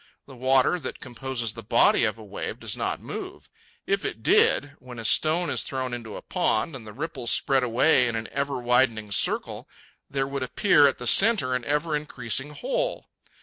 The water that composes the body of a wave does not move. If it did, when a stone is thrown into a pond and the ripples spread away in an ever widening circle, there would appear at the centre an ever increasing hole.